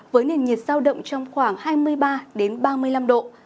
với nền nhiệt sao đậm trong khoảng hai mươi ba đến ba mươi năm độ